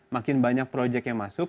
makin banyak proyek yang masuk